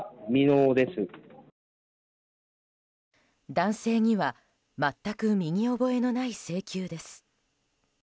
男性には全く身に覚えのない請求です。